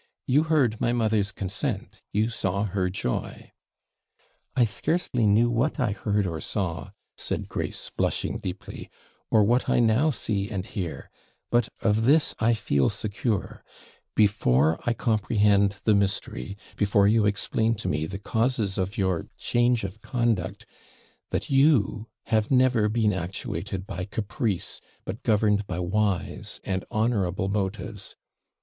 You heard my mother's consent; you saw her joy.' 'I scarcely knew what I heard or saw,' said Grace, blushing deeply, 'or what I now see and hear; but of this I feel secure, before I comprehend the mystery, before you explain to me the causes of your change of conduct, that you have never been actuated by caprice, but governed by wise and honourable motives.